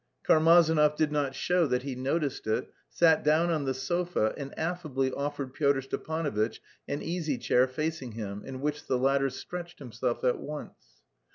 Karmazinov did not show that he noticed it, sat down on the sofa, and affably offered Pyotr Stepanovitch an easy chair facing him, in which the latter stretched himself at once.